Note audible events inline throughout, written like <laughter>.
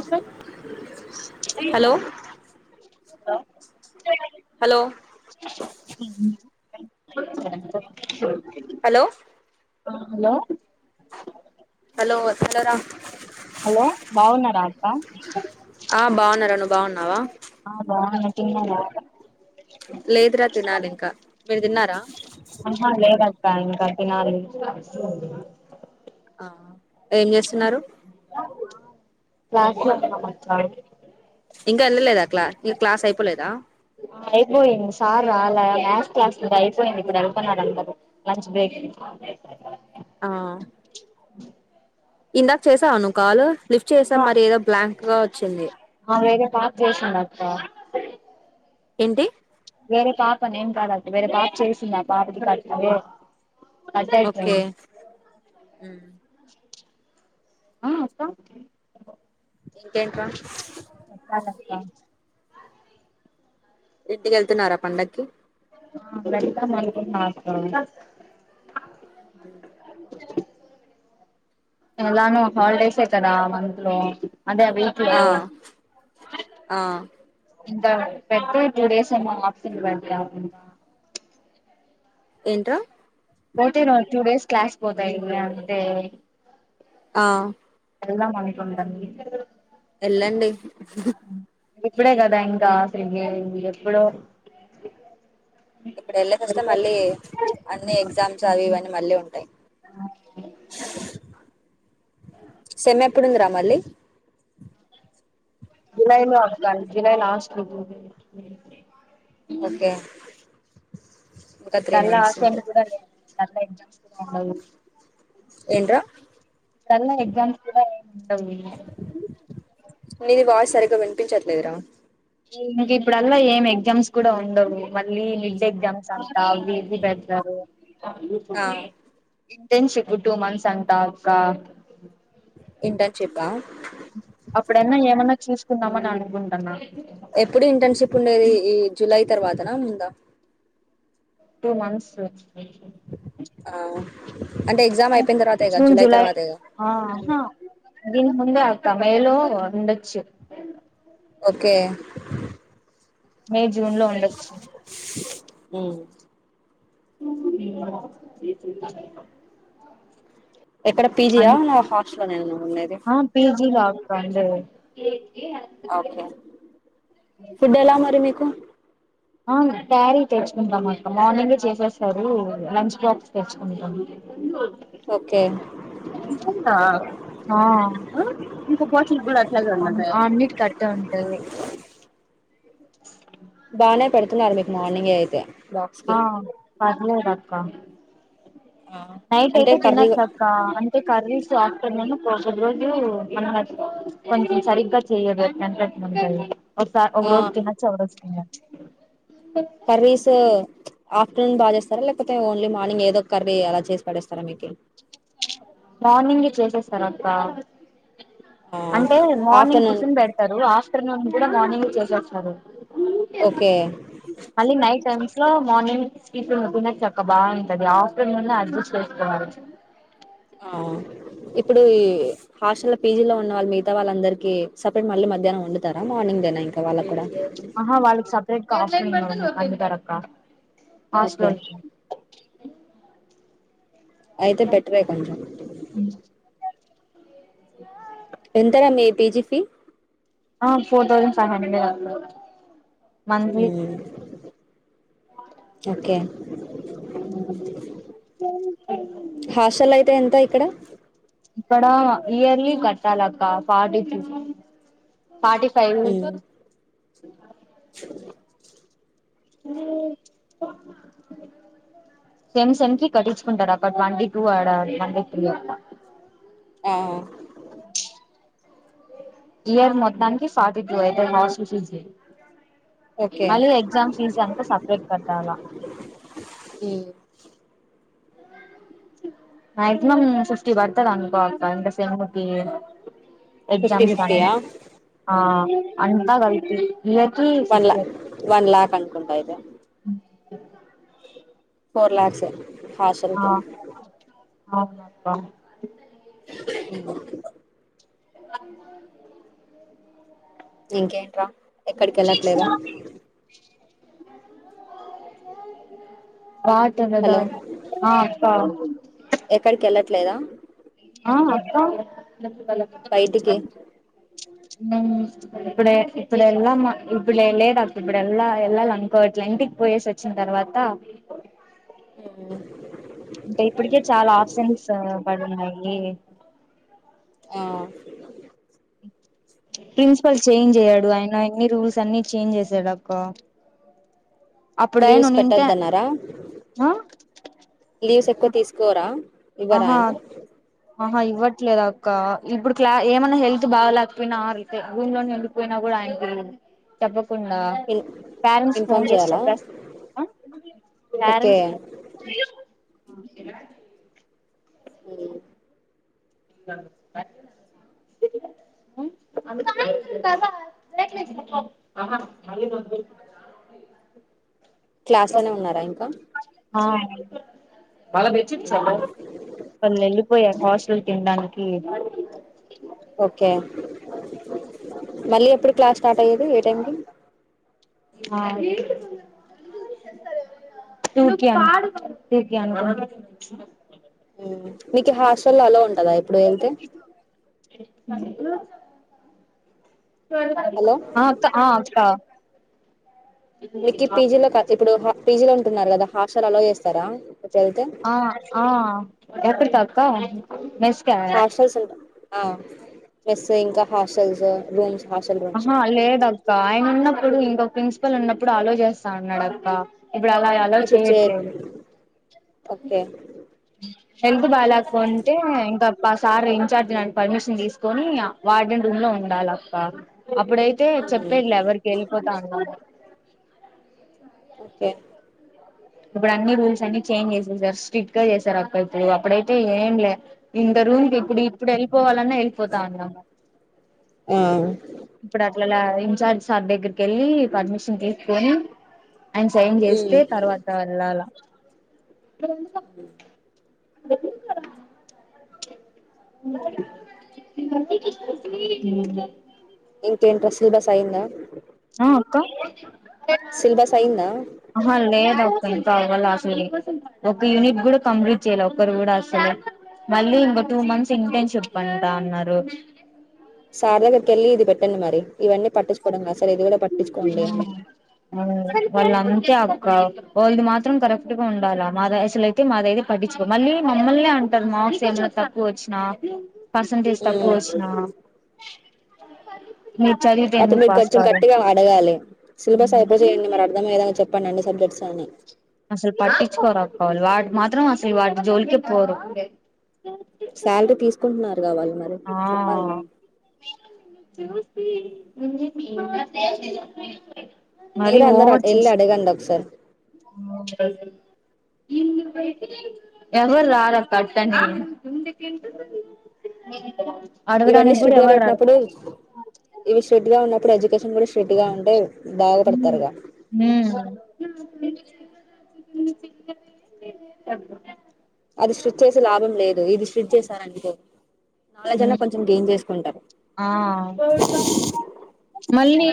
ఎసార్ hello హ hello ర hello hello hello హలోరా హలో బావున్నార అప్పా ఆ బాగున్నారా నువ్వు బాగున్నావా బాగు తన్నన్నా లేదురా తినాలి ఇంకా మీరు తిన్నారా క కాటినాలు ఆ ఏం చేస్తున్నారు క్లాస్ ఇం గనలేదా క్లా ఇ క్లాస్ అయిపోలేదా అయిపోయింది సార్ రాల మస్ క్లాస్ అయిపోయింది ఇప్పుడు వెళ్తున్నారు అందరు లంచ్ బ్రేక్ ఆ అ ఇందాక చేసావు నువ్వు కాలు లిఫ్ట్ చేసాం ఆహా మరి ఏదో బ్లాంక్ గా వచ్చింది పాపోసడాప్ప ఏంటి వరే పాప నేం కాదదు వరే పాప చేసుంద పాపది పాట్ ఓకే ఆ అత్త ఇంకేంట్రా ఆ ఇంటికెళ్తున్నారా పండక్కి వెల్కమ్ అకు హ ఎలాను హాలిడేసే కదా మంత్ లో అదే వీట్ ఆ ఆ ఇంకా పెద్ద టూ డేస్ ఏమో ఆప్తుంది బండి ఏంట పోతే న టూ డేస్ క్లాస్ పోతా ఇ అంతే ఆ అలా అనకు మేమ్ ఎల్లాండి ఇప్పుడే కదా ఇంకా శంగే ఎప్పుడో ఇప్పుడు వెళ్ళే కస్తే మళ్ళీ అన్ని ఎగ్జామ్స్ అవి ఇవన్నీ మళ్ళీ ఉంటాయి అ సమ్ ఎప్పుడుంది రా మళ్ళీ జులై మ అఫగా జులై లాస్ట్కు ఓకే ఇంకా త్రీ దానిలో మంత్స్ ఉంది ఆశందు కూడా అదే నాకా ఇంట్రెస్ట్ ఉండదు ఏంట్రా కల్లా ఎగ్జామ్స్ కూడా ఏ ఉంటాయి నీది వాయిస్ సరిగ్గా వినిపించట్లేదురా ఇంక ఇప్పుడల్లా ఏం ఎగ్జామ్స్ కూడా ఉండవు మళ్ళీ మిడ్ ఎగ్జామ్స్ అంతా అవి ఇవి పెడతరు. ఆ వినిపిస్తోంది ఇంటర్న్షిప్ టూ మంత్స్ అంట అక్కా ఇంటర్న్షిపా అప్పుడన్నా ఏమన్నా చూస్ కుందామని అనుకుంటన్నా ఎప్పుడు ఇంటర్న్షిప్ ఉండేది ఈ జులై తర్వాతనా ముందా టూ మంత్స్ ఆ అంటే ఎగ్జామ్ అయిపోయిన తర్వాతేగా జులై తర్వాతేగా ఆ ఆహా దీనికి ముందే అక్క మేలో ఉండొచ్చు ఓకే మేజ్ జూన్ లో ఉండొచ్చు ఉమ్ <inaudible> ఎక్కడ పీజియా అన్ నా హాస్టల్లో నేనా నువ్వు ఉండేది సండే లేదు ఫుడ్ ఎలా మరి మీకు ఆ క్యారీ తెచ్చుకుంటాం అక్క మార్నింగే చేసేస్తారు లంచ్ బాక్స్ తెచ్చుకుంటాం ఓకే ఆ అన్నిటికీ అట్టే ఉంటాయి స్ బానే పెడుతున్నారు మీకు మార్నింగే అయితే బాక్స్ ఆ కి పర్లేదక్క ఆ నైట్ అంటే అయితే కర్రీ తినొచ్చక్క అంతే కర్రీస్ ఆఫ్టర్నూను ఒకఒకటి రోజు మన కొంచెం సరిగ్గా చెయ్యదు. ఎట్లంటే అట్లుంటాయి ఒకసార్ ఒక రోజు తినొచ్చు ఒకరోజు తినలేం కర్రీసు ఆఫ్టర్నూన్ బా చేస్తార లేకపోతే ఓన్లీ మార్నింగ్ ఏదోక్కర్రీ అలా చేసి పడేస్తారా మీకే మార్నింగే చేసేస్తారు అక్కా ఆ అంటే మార్నింగ్ ఆఫ్టర్నూన్ టిఫిన్ బెడతారు ఆఫ్టర్నూన్. ఇంకా మార్నింగ్ చేసేస్తారు. ఓకే మళ్ళీ నైట్ టైమ్స్ లో మార్నింగ్ టిఫిన్ ఉంటుదద్ చక్క బాంటది ఆఫ్టర్నూన్ అడ్జస్ట్ చేసుకోవాలి ఆహ్హ్ ఇప్పుడు ఈహ్ హాస్టల్లో పీజీలో ఉన్న వాళ్ మిగతా వాళ్ళందరికీ, సెపరేట్ మళ్ళీ మధ్యాహ్నం వండుతారా మార్నింగేనా ఇంకా వాళ్ళక్కుడా. ఆహా వాళ్ళకి సెపరేట్ కా అందుకేనక్కా ఓకే ఆస్క్లోన్ అయితే బెటరే కొంచెం ఎంతరా మీ పీజీ ఫీ ఆహ్ ఫోర్ థౌసండ్ ఫైవ్ హండ్రెడ్ అక్క మంత్లీ ఓకే హాస్టల్ అయితే ఎంత ఇక్కడ ఇక్కడా ఇయర్లీ కట్టాలక్క ఫార్టీ టు ఫార్టీ ఫైవ్. మ్మ్. సెమ్ సెమ్‌కి కట్టించుకుంటాడక్క ట్వంటీ టూ ఆడ ట్వంటీ త్రీ ఆ ఇయర్ మొత్తానికి ఫార్టీ టు అయితాది మా హాస్టల్ ఫీజ్కి ఓకే మళ్ళీ ఎగ్జామ్ ఫీజ్ అంత సెపరేట్ కట్టాలా మ్మ్. మ్యాక్సిమమ్ ఫిఫ్టీ బడతాద్ అనుకో ఇంక సెమ్‌కి. ఫిఫ్టీ ఎగ్జామ్స్ దాట్ని ఫిఫ్టీయా ఆహ్హ్ అంతా గల్పి వన్ లఖ్ వన్ లాఖ్ అ కుంతైతే ఫోర్ లాక్సే హాస్టల్కే ఆహ్ అహ్ ఇంకేంట్రా ఎక్కడికి వెళ్ళట్లేదా పాటన్నదా హలో ఆహ్ ఆప్పా ట్లేదా ఆహ్హ్ అక్క బయటికి ఇప్పుడే ఇప్పుడెళ్ళామ ఇప్పుడే లేదు అక్ ఇప్పుడెళ్ళా ఎళ్ళాల అనుకోట్లే ఇంటికి పోయేసి వచ్చిన తర్వాత మ్మ్ టే ఇప్పటికే చాలా ఆప్షన్స్ పడున్నాయి ఆహ్హ్ ప్రిన్సిపల్ చేంజ్ అయ్యాడు ఆయన ఎన్ని రూల్స్ అన్ని చేంజ్ చేసాడు అక్క అప్పుడు ఆయన లీవ్స్ ఉంటే పెట్టొద్ద అన్నార ఆ లీవ్స్ ఎక్కువ తీసుకోరా ఇవ్వరా ఆహా ఆయన ఆహా ఇవ్వట్లేదు అక్క, ఇప్పుడు క్లా ఏమన్నా హెల్త్ బాగాలేకపోయినా ఆతే భూమిలోనే ఉండిపోయినా కూడా ఆయనకి చెప్ప అప్పుడా ఇన్ పేరెంట్స్ ఫోన్ ఇన్ఫార్మ్ చేసి చేయాలా చెప్ ఓకే పేరెంట్స్ <unintelligible> కనా సరే <inaudible> క్లాస్లోనే ఉన్నారా ఇంకా ఆ మ బెచ సప్ప ప నెలు పోయా హాస్టల్ తినడానికి ఓకే మళ్ళీ ఎప్పుడు క్లాస్ స్టార్ట్ అయ్యేది ఏ టైంకి ఆ టు కి అన నీకు హాస్టల్ అలా ఉం అ మ హలో ఆ అక్క ఆ అక్క మీక్ పీజీ లో కాదు ఇప్పుడు పిజీ లో ఉంటున్నారు కదా హాస్టల్ అలో చేస్తారా వెళ్తే ఆ ఆ పిత కా హార్షల్ స ఆ మస్ ఇంకా హాస్టల్స్ రూమ్స్ హాస్టల్ రూమ్స్ ఆహా లేదక్క ఆయన ఉన్నప్పుడు ఇంకొ ప్రిన్సిపల్ ఉన్నప్పుడు ఆలోచేస్తా అన్నాడక్క ఇప్పుడు అలా ఎలా ఇప్పుడు చే చేయట్లేదు ఓకే హెల్త్ బాలేకుంటే ఇంకా సార్ ఇన్ఛార్జ్ నని పర్మిషన్ తీసుకుొని వార్డెన్ రూమ్ లో ఉండాలప్ప అప్పుడైతే ఉమ్, చెప్పేదిలా ఎవరికి వెళ్ళిపోతా అన్నమాట కే ఇప్పుడు అన్ని రూల్స్ అన్ని చేంజ్ చేసేసారు, స్ట్రిక్ట్ గా చేసారు అక్క ఇప్పుడు, అప్పుడైతే ఏం లే ఇంత రూమ్ క ఇప్పుడు ఇప్పుడు వెళ్ళిపోవాలన్నా వెళ్ళిపోతా ఉన్నాను ఆ ఇప్పుడు అట్లలా ఇన్ఛార్జ్ సార్ దగ్గరికి వెళ్ళి పర్మిషన్ తీసుకొని ఆయన సైన్ చేస్తే తర్వాత వెళ్ళాలా ఇ ఎందు ఇంకేంట్రా సిలబస్ అయ్యిందా అక్కా సిల్బస్ అయ్యిందా <unintelligible> ఇంకా అవ్వలా అసలుకి ఒక యూనిట్ కూడా కంప్లీట్ చెయ్ లా ఒకరు కూడా అసలు మళ్ళీ ఇంక టూ మంత్స్ ఇంటర్న్షిప్ అంటా ఉన్నారు సార్ దగ్గరికెళ్ళి ఇది పెట్టండి మరి ఇవన్నీ పట్టిచ్చుకోవడం కా వాళ్ళన్ తే అక్క వాళ్ళది మాత్రం కరెక్ట్ గా ఉండాలా మాది అసలుయితే మాది అయితే పట్టించుకో మళ్ళీ మమ్మల్నే అంటారు మార్క్స్ ఏమన్నా తక్కువ వచ్చినా పర్సంటేజ్ ఉమ్. తక్కువచ్చినా అ కా మీరు చదివితే ఎందుకు పాస్ కారు దవాలి సిలబస్ అయిపోజేయండి మరి అర్థమయ్యేలా చెప్ప్ ప్పండి అన్ని సబ్జెక్ట్స్ అని అసలు పట్టించుకోరక్క వాళ్ళు వాటి మాత్రం అసలు వాటి జోలికే పోరు శాలరీ తీసుకుంటున్నా <unintelligible> వాలి మరి చెప్పాలిగా ఆ <inaudible> మీరు అందరూ వెళ్ళి అడగండి ఒకసారి ఎవరూ రారక్కా <unintelligible> ఇవన్నీ స్రిట్ గా పెట్టినప్పుడు ఇవి స్రిట్ గా ఉన్నప్పుడు ఎడ్యుకేష్ <unintelligible> టుట్టుగా ఉంటే ఉమ్ బాగుపడతారుగా <inaudible> అది స్రిట్ చేసి లాభం లేదు ఇది స్రిట్ చేశారనుకో ఆ రోజున్నా ఉమ్ కొంచెం చేంజ్ చేసుకుంటారు ఆ మళ్ళీ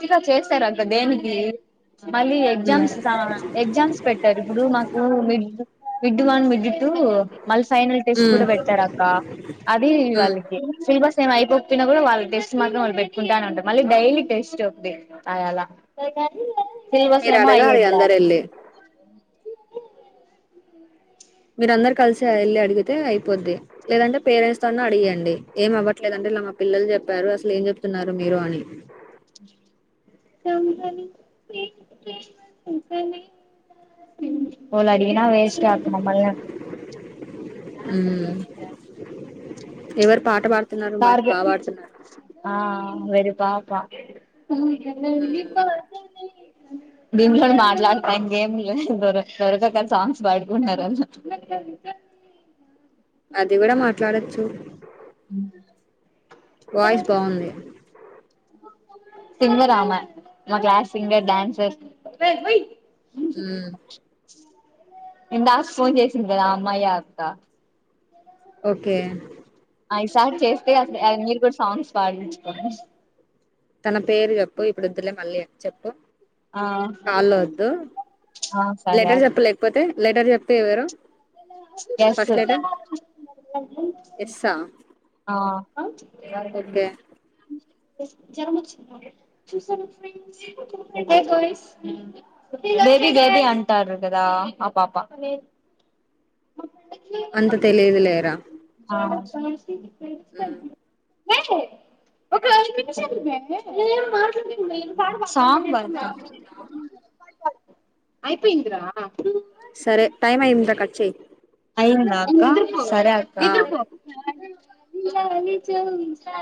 తిగా చేస్తారు అక్క దేనికి మళ్ళీ ఎగ్జామ్స్ దా ఎగ్జామ్స్ పెట్టారు ఇప్పుడు మాకు మిడ్ విడ్ వన్ మిడ్ టూ మళ్ళ ఫైనల్ టెస్ట్ ఉమ్ కూడా పెట్టారు అక్క అది ఉమ్ వాళ్ళకి సిలబస్ అయిపో చెప్పిన కూడా వాళ్ళ టెస్ట్ మాత్రం వాళ్ళు పెట్టుకుంటారంట మళ్ళీ డైలీ టెస్ట్ ఒకటి అయలా మీరు అడగాలి అందరెళ్ళి మీరందరు కలిసి ఎళ్ళి అడిగితే అయిపోద్ది లేదంటే పేరెంట్స్ తో అన్నఅడిగీయండి ఏం అవ్వట్లేదంట ఇలా మా పిల్లలు చెప్పారు అసలు ఏం చెప్తున్నారు మీరు అని కమ్మని నీ ప్రేమ లేఖలే రాసింది హృదయమే <unintelligible> అడిగిన వేస్టెఅట మమ్మల్ని ఉమ్ ఎవరు పాట పాడుతున్నారు బా పాడుతున్నారు బా పా దీంట్లో మాట్లాడటానికి ఏమీ లేదు దొరక దొరకక సాంగ్స్ పాడుకుంటున్నారు అది కూడా మాట్లాడచ్చు వాయిస్ బావుంది సింగర్ ఆమె మా క్లాస్ సింగర్ డాన్సర్ మ్ ఇందాస్ ఫోన్ చేసింది కదా ఆ అమ్మాయ అక్క ఓకే ఐదు సార్లు చేస్తే మీరు కూడా సాంగ్స్ పాడించుకోవచ్చ్ తన పేరు చెప్పు ఇప్పుడు వద్దులే మళ్ళీ చెప్పు ఆ కాల్ లో వద్దు ఆ సరే లెటర్ చెప్పలేకపోతే లెటర్ చెప్తేా ఎవరు ఎస్ ఫస్ట్ లెటర్ ఎస్సా ఓకే గోబీ గోబి అంటారు కదా ఆ పాప అంత తెలిదు లేరా <inaudible> మ్ ఏయ్ ఒకఐదు నిమిషాలు మీ సాబల్ <unintelligible> అయిపోయింద్రా చె ఐదుందా అక్క సరే ఆ అక్క చాలది